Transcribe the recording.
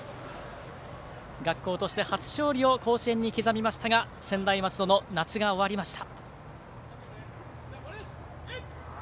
学校として初勝利を甲子園に刻みましたが専大松戸の夏が終わりました。